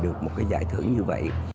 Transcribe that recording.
được một cái giải thưởng như vậy